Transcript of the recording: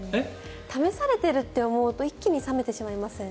試されてるって思うと一気に冷めてしまいません？